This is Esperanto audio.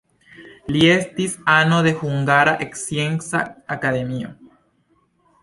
Li estis ano de Hungara Scienca Akademio.